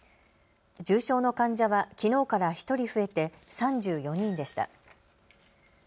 重症の患者はきのうから１人増えて３４人でした。